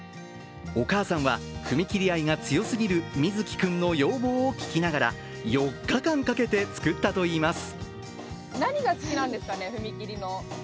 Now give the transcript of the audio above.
お母さんは踏切愛が強すぎるみずき君の要望を聞きながら、４日間かけて作ったといいます。